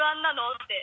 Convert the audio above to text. って。